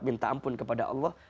minta ampun kepada allah